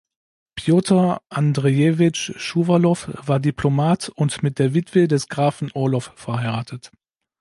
Pjotr Andrejewitsch Schuwalow war Diplomat und mit der Witwe des Grafen Orlow verheiratet.